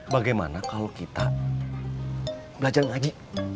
bagaimana kalau kita belajar nyanyi